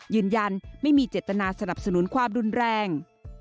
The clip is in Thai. ยืนยันไม่มีเจตนาสนับสนุนความรุนแรง